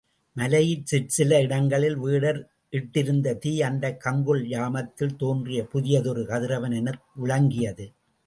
மலையில் சிற்சில இடங்களில் வேடர் இட்டிருந்த தீ அந்தக் கங்குல் யாமத்தில் தோன்றிய புதியதொரு கதிரவன் என விளங்கியது.